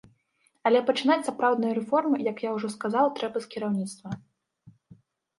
Але пачынаць сапраўдныя рэформы, як я ўжо сказаў, трэба з кіраўніцтва.